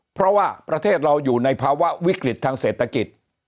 เพราะว่าประเทศเราอยู่ในภาวะวิกฤตทางเศรษฐกิจ